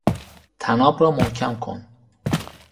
طناب را محکم کن